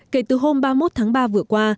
kể từ hôm ba mươi một tháng ba vừa qua